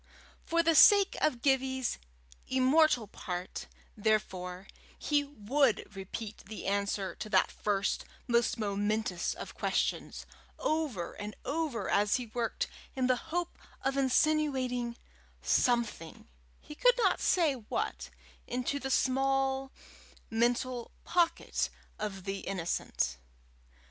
For the sake of Gibbie's immortal part, therefore, he would repeat the answer to that first, most momentous of questions, over and over as he worked, in the hope of insinuating something he could not say what into the small mental pocket of the innocent.